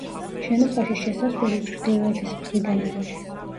შენობაში შესასვლელი ჩრდილოეთის მხრიდანაა.